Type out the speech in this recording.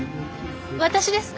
私ですか？